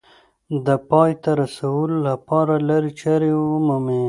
د پای ته رسولو لپاره لارې چارې ومومي